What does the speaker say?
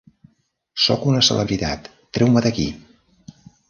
Sóc una celebritat... Treu-me d'aquí!